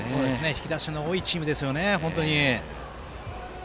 引き出しの多いチームですね。